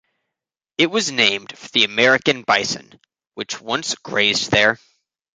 It was named for the American bison, which once grazed there.